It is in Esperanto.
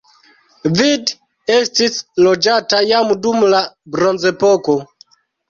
Vid estis loĝata jam dum la bronzepoko.